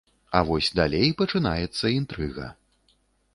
А вось далей пачынаецца інтрыга.